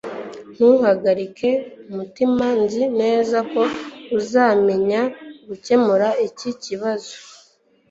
Ntugahagarike umutima Nzi neza ko azamenya gukemura iki kibazo